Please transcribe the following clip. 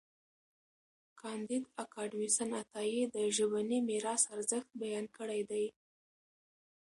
کانديد اکاډميسن عطايي د ژبني میراث ارزښت بیان کړی دی.